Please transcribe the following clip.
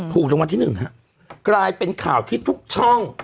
ถูกรางวัลที่หนึ่งฮะกลายเป็นข่าวที่ทุกช่อง